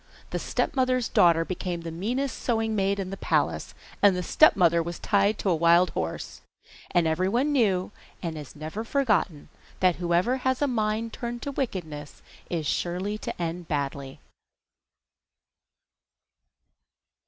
The stepmother's daughter became the meanest sewing maid in the palace, the stepmother was tied to a wild horse, and every one knew and has never forgotten that whoever has a mind turned to wickedness is sure to end badly.